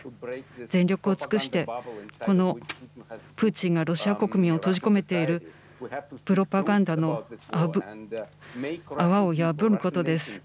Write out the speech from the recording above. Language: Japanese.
全力を尽くして、このプーチンがロシア国民を閉じ込めているプロパガンダの泡を破ることです。